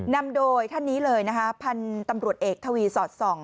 นำโดยท่านนี้เลยนะคะพันธุ์ตำรวจเอกทวีสอดส่อง